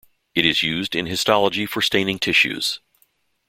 It is used in histology for staining tissues.